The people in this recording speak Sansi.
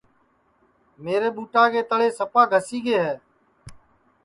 میرے ٻوٹا کے تݪے سپا گھسی گے ہے